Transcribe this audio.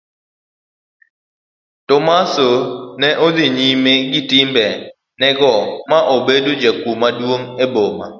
Tomaso ne odhi nyime gi timbe nego ma obedo jakuo maduong' e boma.